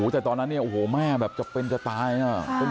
แต่ตอนนั้นแม่แบบจับเป็นจะตายนึงว่ะ